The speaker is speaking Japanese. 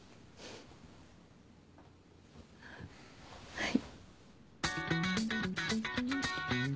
はい。